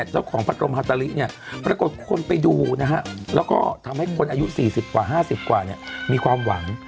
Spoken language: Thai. เจ้าของพัดลมหัตตริหน